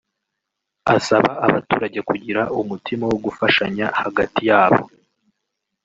asaba abaturage kugira umutima wo gufashanya hagati yabo